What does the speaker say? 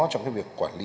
trong cái việc quản lý